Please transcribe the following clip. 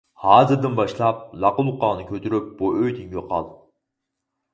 ھازىردىن باشلاپ لاقا-لۇقاڭنى كۆتۈرۈپ بۇ ئۆيدىن يوقال!